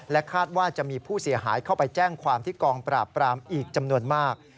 คาดว่าจะมีผู้เสียหายเข้าไปแจ้งความที่กองปราบปรามอีกจำนวนมาก